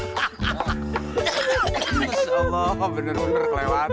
insya allah benar benar kelewat